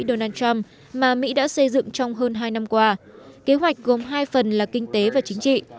donald trump mà mỹ đã xây dựng trong hơn hai năm qua kế hoạch gồm hai phần là kinh tế và chính trị